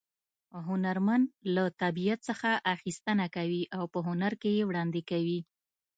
هنرمن له طبیعت څخه اخیستنه کوي او په هنر کې یې وړاندې کوي